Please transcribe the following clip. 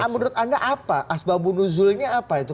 menurut anda apa asbabunuzulnya apa itu